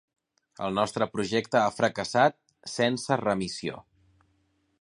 El nostre projecte ha fracassat sense remissió.